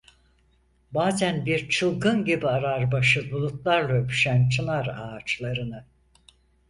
Bazen bir çılgın gibi arar başı bulutlarla öpüşen çınar ağaçlarını…